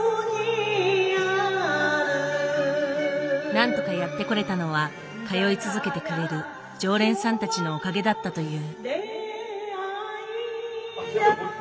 なんとかやってこれたのは通い続けてくれる常連さんたちのおかげだったという。